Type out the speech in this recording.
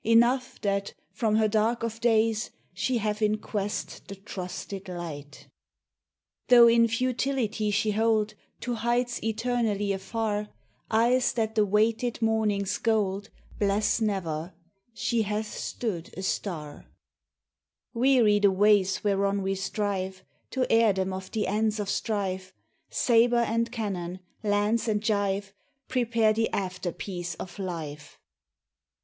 Enough, that from her dark of days She have in quest the trusted light. Tho' in futility she hold, To heights eternally afar, Eyes that the waited morning's gold Bless never she hath stood a star. MEMORIAL DAY. Weary the ways whereon we strive To heirdom of the ends of strife: Sabre and cannon, lance and gyve Prepare the after peace of life.